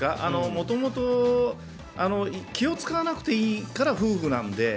もともと気を使わなくていいから夫婦なので。